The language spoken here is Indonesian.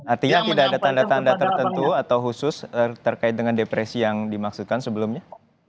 artinya tidak ada tanda tanda tertentu atau khusus terkait dengan depresi yang dimaksudkan sebelumnya